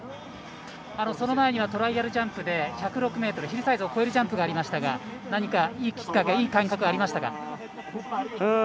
その前にはトライアルジャンプで１０６ｍ、ヒルサイズを越えるジャンプがありましたがなにか、いいきっかけいい感覚はありましたか。